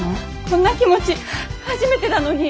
こんな気持ち初めてだのに。